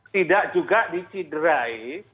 tidak juga diciderai